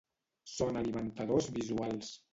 Són alimentadors visuals.